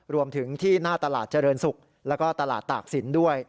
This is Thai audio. รวมถึงที่หน้าตลาดเจริญสุกและก็ตลาดตากสินด้วย